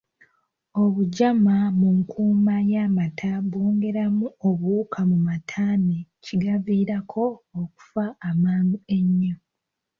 Obujama mu nkuuma y’amata bwongeramu obuwuka mu mata ne kigaviirako okufa amangu ennyo.